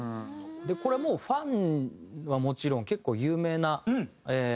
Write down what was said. これもうファンはもちろん結構有名な話で。